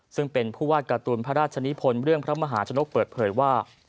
ซึ่งเป็นผู้วาดการ์ตูนพระราชนิพลเรื่องพระมหาชนกเปิดเผยว่า